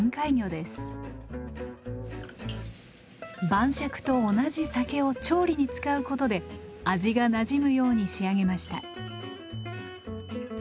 晩酌と同じ酒を調理に使うことで味がなじむように仕上げました。